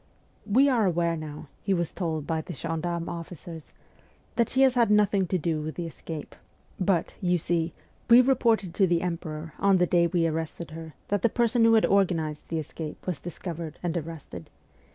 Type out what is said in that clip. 'We are aware now,' he was told by the gendarme officers, < that she has had nothing to do with the escape ; but, you see, we reported to the emperor, on the day we arrested her, that the person who had organized the escape was discovered and arrested.